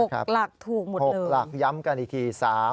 หลักถูกหมดเลย๖หลักย้ำกันอีกที